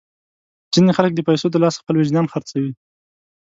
ځینې خلک د پیسو د لاسه خپل وجدان خرڅوي.